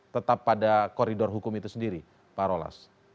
tetap pada koridor hukum itu sendiri pak rolas